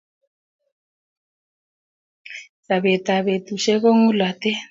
sobeetab betusiek kongulote